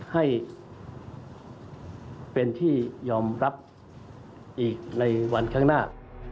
ให้เป็นที่ยอมรับอีกในวันข้างหน้า